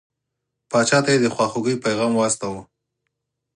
پاچا ته یې د خواخوږی پیغام واستاوه.